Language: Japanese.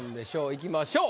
いきましょう。